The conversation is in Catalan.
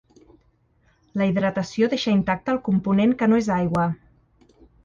La hidratació deixa intacte el component que no és aigua.